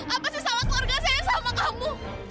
apa sih sama keluarga saya sama kamu